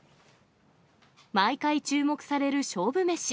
毎回注目される勝負飯。